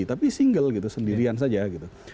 tapi single gitu sendirian saja gitu